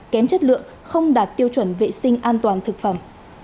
kém chất lượng không đạt tiêu chuẩn vệ sinh an toàn thực phẩm